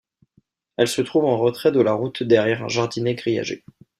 Elle se trouve en retrait de la route derrière un jardinet grillagé.